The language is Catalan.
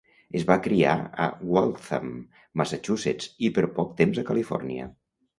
Es va criar a Waltham, Massachusetts, i per poc temps a Califòrnia.